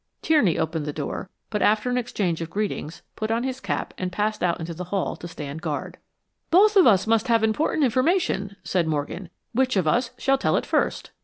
Tierney opened the door, but after an exchange of greetings, put on his cap and passed out into the hall to stand guard. "Both of us must have important information," said Morgan. "Which of us, shall tell it first?"